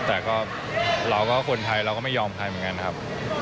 แต่ก็เราก็คนไทยเราก็ไม่ยอมใครเหมือนกันครับ